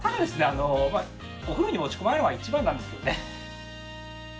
あのまあお風呂に持ち込まないのが一番なんですけどね。